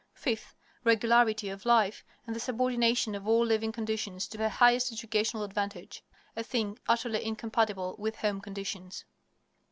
Fifth. Regularity of life, and the subordination of all living conditions to the highest educational advantage (a thing utterly incompatible with home conditions).